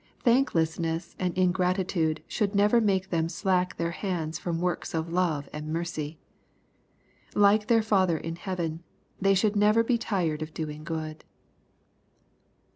Thanklessness and ingratitude should not make them slack their hands from works of love and mercy. Like their Father in hpaven, they should never be tired of doing good.